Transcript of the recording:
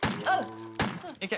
いけ！